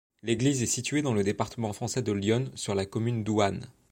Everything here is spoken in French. L'église est située dans le département français de l'Yonne, sur la commune d'Ouanne.